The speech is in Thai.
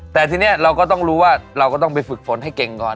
แต่ทีนี้เราก็จะต้องฝืนให้เก่งก่อน